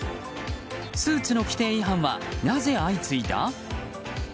スーツの規定違反はなぜ相次いだ？